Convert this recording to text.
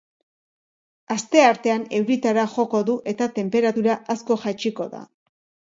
Asteartean, euritara joko du eta tenperatura asko jaitsiko da.